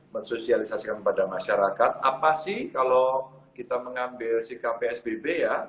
mensosialisasikan kepada masyarakat apa sih kalau kita mengambil sikap psbb ya